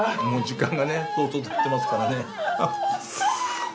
もう時間がね相当経ってますからね。